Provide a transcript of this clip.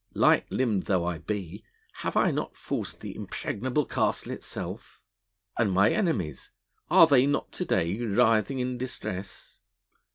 Light limbed though I be, have I not forced the impregnable Castle itself? And my enemies are they not to day writhing in distress